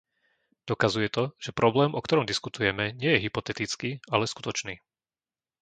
Dokazuje to, že problém, o ktorom diskutujeme, nie je hypotetický, ale skutočný.